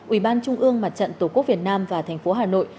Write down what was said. ủy ban trung ương mặt trận tổ quốc việt nam và thành phố hà nội